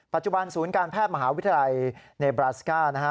ปัจจุบันศูนย์การแพทย์มหาวิทยาลัยเนบราซิก้านะฮะ